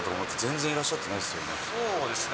そうですね。